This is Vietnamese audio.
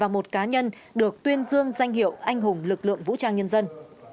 và một cá nhân được tuyên dương danh hiệu anh hùng lực lượng vũ trang nhân dân